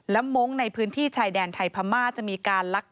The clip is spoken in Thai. และมงค์ในพื้นที่ชายแดนไทยพม่าจะมีการลักล